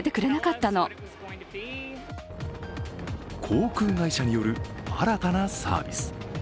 航空会社による新たなサービス。